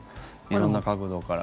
色んな角度から。